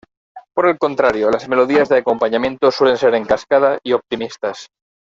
Por el contrario, las melodías de acompañamiento suelen ser en cascada y optimistas.